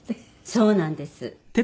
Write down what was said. そうなんですよね。